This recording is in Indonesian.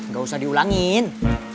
gak usah diulangin